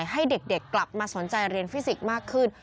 ให้เด็กกลับมาสนใจเรียนฟิสิกส์มากขึ้น